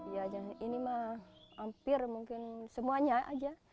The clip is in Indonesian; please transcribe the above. ya ini mah hampir mungkin semuanya aja